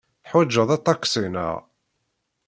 Teḥwajeḍ aṭaksi, naɣ?